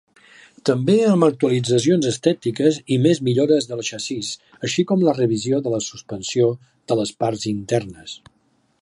També amb actualitzacions estètiques i més millores del xassís, així com la revisió de la suspensió de les parts internes.